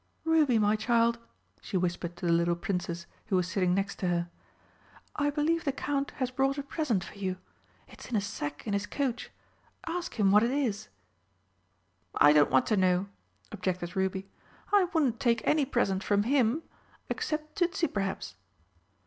"Ruby, my child," she whispered to the little Princess, who was sitting next to her, "I believe the Count has brought a present for you. It's in a sack in his coach. Ask him what it is." "I don't want to know," objected Ruby, "I wouldn't take any present from him except Tützi, perhaps."